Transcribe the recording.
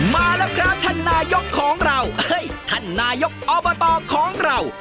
มาแล้วครับท่านนายกของเราเอ้ยท่านนายกอบตของเรา